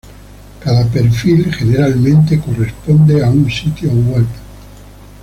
Cada perfil generalmente corresponde a un sitio web.